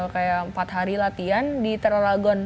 kayak empat hari latihan di teroragon